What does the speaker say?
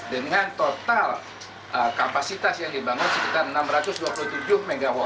dengan total kapasitas yang dibangun sekitar enam ratus dua puluh tujuh mw